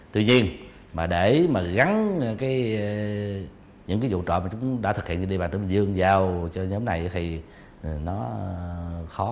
tuy nhiên để gắn những vụ trộm mà chúng đã thực hiện trên địa bàn tấn bình dương vào cho nhóm này thì nó khó